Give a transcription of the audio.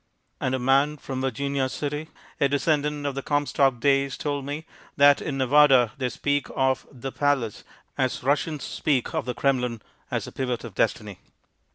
And a man from Virginia City, a descendant of the Comstock days, told me that in Nevada they speak of "The Palace" as Russians speak of the Kremlin as a pivot of destiny.